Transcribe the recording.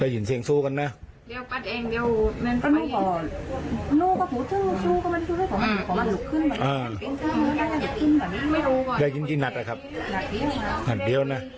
จาเหจที่ก็สังเสียว่าแผ่นผีเป็นคนไปแจ้งกำรวจ